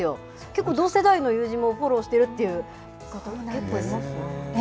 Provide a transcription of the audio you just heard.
結構、同世代の友人もフォローしているという方、結構いますね。